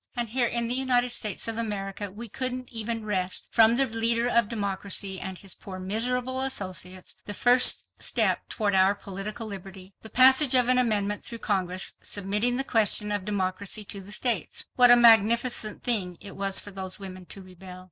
And here in the United States of America we couldn't even wrest from the leader of democracy and his poor miserable associates the first step toward our political liberty—the passage of an amendment through Congress, submitting the question of democracy to the states! What a magnificent thing it was for those women to rebel!